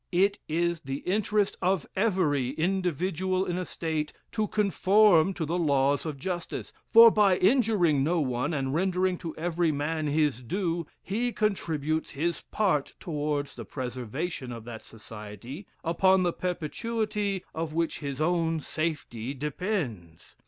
It is the interest of every individual in a state to conform to the laws of justice; for by injuring no one, and rendering to every man his due, he contributes his part towards the preservation of that society, upon the perpetuity of which his own safety depends.